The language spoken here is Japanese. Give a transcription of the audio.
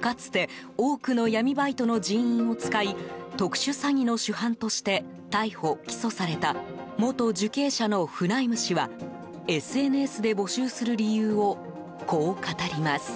かつて多くの闇バイトの人員を使い特殊詐欺の主犯として逮捕・起訴された元受刑者のフナイム氏はＳＮＳで募集する理由をこう語ります。